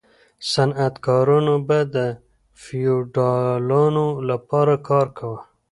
صنعتکارانو به د فیوډالانو لپاره کار کاوه.